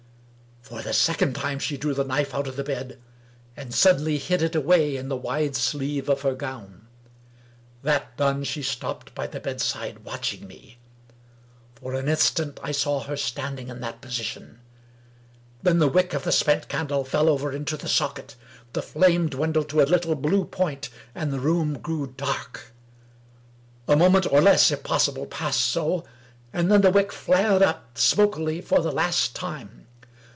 For the second time she drew the knife out of the bed, and suddenly hid it away in the wide sleeve of her gown. That done, she stopped by the bedside watching me. For an instant I saw her standing in that position — ^then the wick of the spent candle fell over into the socket. The flame dwindled to a little blue point, and the room grew dark. A moment, or less, if possible, passed so— and then the wick flared up, smokily, for the last time.